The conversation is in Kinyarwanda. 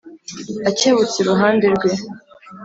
akebutse iruhande rwe